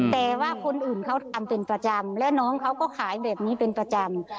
แต่ว่าคนอื่นเขาทำเป็นประจำและน้องเขาก็ขายแบบนี้เป็นประจำ